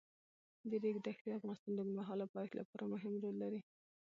د ریګ دښتې د افغانستان د اوږدمهاله پایښت لپاره مهم رول لري.